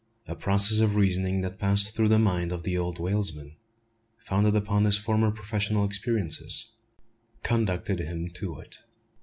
A process of reasoning that passed through the mind of the old whalesman, founded upon his former professional experiences, conducted him to it.